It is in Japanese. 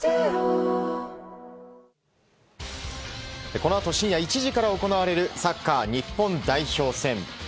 このあと深夜１時から行われるサッカー日本代表戦。